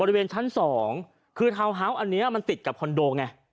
บริเวณชั้นสองคือทาวน์ฮาวส์อันนี้มันติดกับคอนโดไง